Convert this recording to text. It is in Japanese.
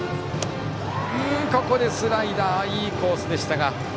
ここでスライダーいいコースでしたが。